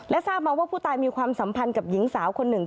ทราบมาว่าผู้ตายมีความสัมพันธ์กับหญิงสาวคนหนึ่ง